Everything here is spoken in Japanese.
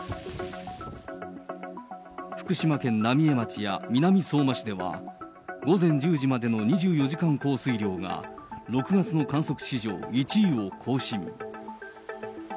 福島県浪江町や南相馬市では、午前１０時までの２４時間降水量が、６月の観測史上１位を更新。